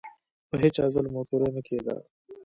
په هیچا ظلم او تیری نه کېده.